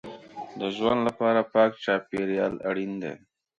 د ژوند لپاره پاک چاپېریال اړین دی.